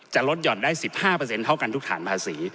จะลดหย่อนได้๑๕เท่ากันทุกฐานภาษี